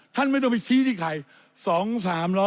ท่านไม่ต้องไปชี้ที่ใคร